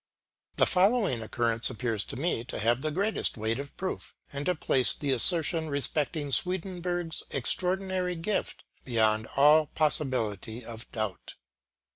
" The following occurrence appears to me to have the greatest weight of proof, and to place the assertion respecting Swedenborg's extraordinary gift beyond all possibility of doubt.